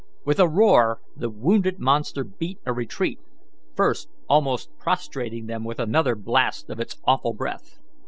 With a roar the wounded monster beat a retreat, first almost prostrating them with another blast of its awful breath.